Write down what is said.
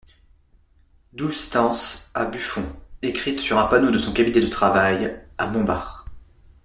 douzeº Stances à Buffon, écrites sur un panneau de son cabinet de travail, à Montbard.